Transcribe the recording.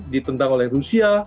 ditentang oleh rusia